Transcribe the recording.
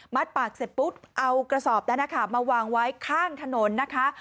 ปากเสร็จปุ๊บเอากระสอบนั้นนะคะมาวางไว้ข้างถนนนะคะ